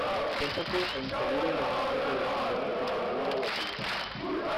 Son pocos e inseguros los datos relacionados con su vida y actividad.